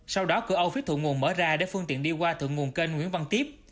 sau đó cửa âu phía thượng nguồn mở ra để phương tiện đi qua thượng nguồn kênh nguyễn văn tiếp